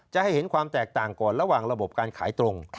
จะให้เห็นความแตกต่างก่อนระหว่างระบบการขายตรง